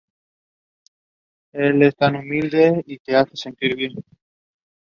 Él es tan humilde y te hace sentir bien.